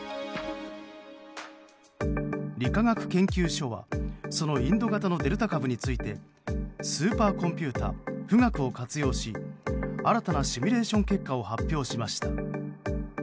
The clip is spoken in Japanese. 理化学研究所はそのインド型のデルタ株についてスーパーコンピューター「富岳」を活用し新たなシミュレーション結果を発表しました。